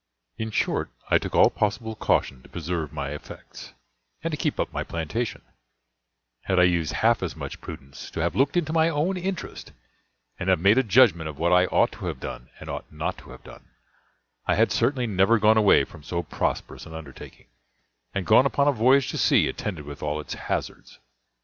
In short, I took all possible caution to preserve my effects, and to keep up my plantation; had I used half as much prudence to have looked into my own interest, and have made a judgment of what I ought to have done and ought not to have done, I had certainly never gone away from so prosperous an undertaking, and gone upon a voyage to sea, attended with all its hazards.